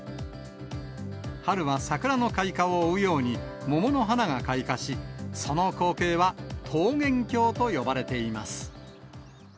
春は桜の開花を追うように、桃の花が開花し、その光景は桃源郷と呼ばれています。